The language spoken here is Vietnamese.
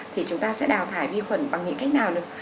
thì chúng ta sẽ đào thải vi khuẩn bằng những cách nào được